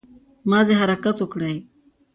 مازې حرکت وکړٸ